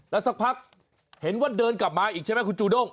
แล้วสักพักเห็นว่าเดินกลับมาอีกใช่ไหมคุณจูด้ง